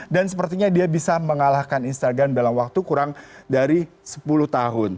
dan sepertinya dia bisa mengalahkan instagram dalam waktu kurang dari sepuluh tahun